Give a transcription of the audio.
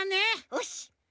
よし。